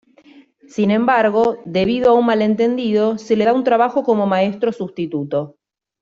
Sin embargo, debido a un malentendido, se le da un trabajo como maestro sustituto.